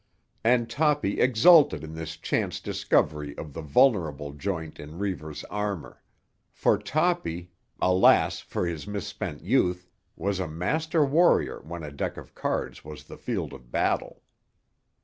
And Toppy exulted at this chance discovery of the vulnerable joint in Reivers' armour; for Toppy—alas for his misspent youth!—was a master warrior when a deck of cards was the field of battle.